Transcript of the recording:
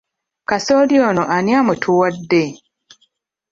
Kasooli ono ani amutuwadde?